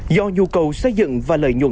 do nhu cầu xây dựng và lợi nhuận